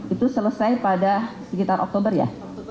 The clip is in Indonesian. itu selesai pada sekitar oktober ya